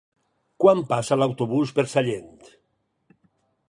Quan passa l'autobús per Sallent?